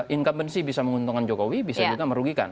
incumbency bisa menguntungkan jokowi bisa juga merugikan